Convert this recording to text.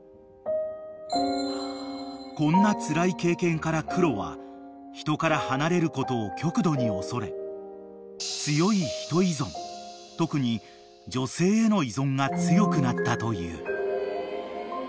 ［こんなつらい経験からクロは人から離れることを極度に恐れ強い人依存特に女性への依存が強くなったという］